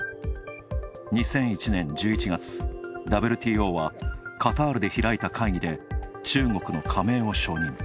２０１１年ＷＴＯはカタールで開いた会議で中国の加盟を承認。